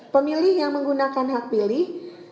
pemilih yang menggunakan hak pilih